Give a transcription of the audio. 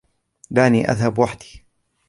دعني أذهب وحدي.